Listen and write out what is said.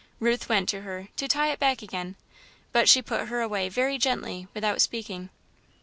Ruth went to her, to tie it back again, but she put her away, very gently, without speaking.